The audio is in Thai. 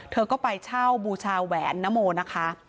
เธอก็ไปเช่าบูชาแหวนนโมนะคะ